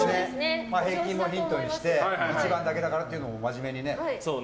平均もヒントにして１番だけだからっていうのもまじめにね。